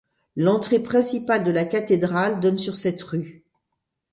L'entrée principale de la cathédrale donne sur cette rue.